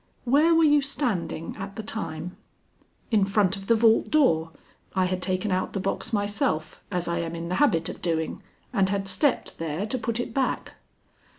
"Where were you standing at the time?" "In front of the vault door. I had taken out the box myself as I am in the habit of doing, and had stepped there to put it back."